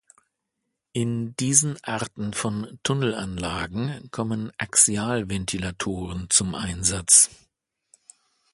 In diesen Arten von Tunnelanlagen kommen Axial-Ventilatoren zum Einsatz.